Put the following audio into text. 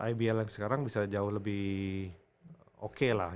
ibl yang sekarang bisa jauh lebih oke lah